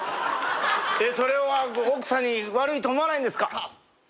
それは奥さんに悪いと思わないんですか？